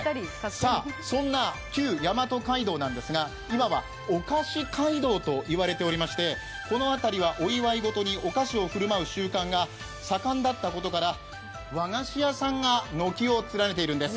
そんな旧大和街道なんですが今はお菓子街道といわれていましてこの辺りはお祝い事にお菓子を振る舞う習慣が盛んだったことから和菓子屋さんが軒を連ねているんです。